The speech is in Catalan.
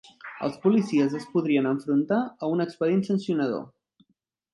Els policies es podrien enfrontar a un expedient sancionador